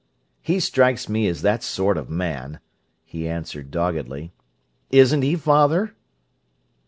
"He strikes me as that sort of man," he answered doggedly. "Isn't he, father?"